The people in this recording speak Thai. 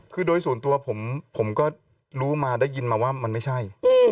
คือโดยส่วนตัวผมก็รู้มาได้ยินมาว่ามันไม่ใช่